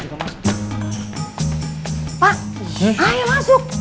apa kita masuk